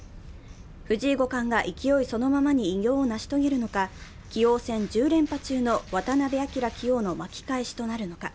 藤井五冠が勢いそのままに偉業を成し遂げるのか棋王戦１０連覇中の渡辺棋王の巻き返しとなるのか。